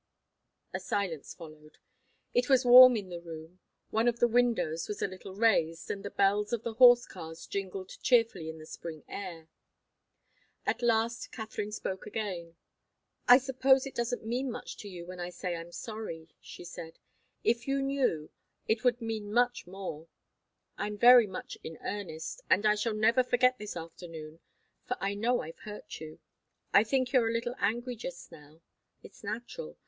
A silence followed. It was warm in the room. One of the windows was a little raised, and the bells of the horse cars jingled cheerfully in the spring air. At last Katharine spoke again. "I suppose it doesn't mean much to you when I say I'm sorry," she said. "If you knew, it would mean much more. I'm very much in earnest, and I shall never forget this afternoon, for I know I've hurt you. I think you're a little angry just now. It's natural.